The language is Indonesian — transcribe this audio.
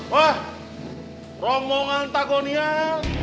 wah rombongan takonian